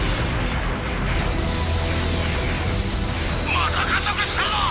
また加速したぞ！